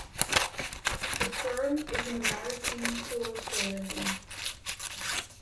The term is an American colloquialism.